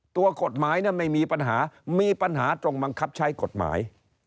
ตัวกฎหมายไม่มีปัญหามีปัญหาตรงบังคับใช้กฎหมาย